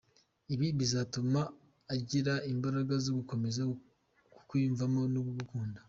Ibi bizatuma agira imbaraga zo gukomeza kukwiyumvamo no kugukunda.